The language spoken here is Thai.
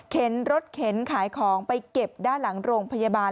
รถเข็นขายของไปเก็บด้านหลังโรงพยาบาล